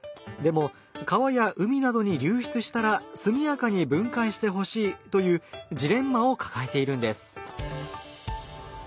でも川や海などに流出したら速やかに分解してほしいというジレンマを抱えているんです。